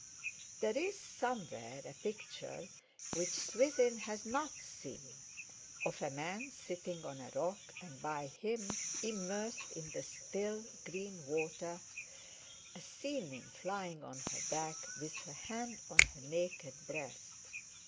There is somewhere a picture, which Swithin has not seen, of a man sitting on a rock, and by him, immersed in the still, green water, a sea nymph lying on her back, with her hand on her naked breast.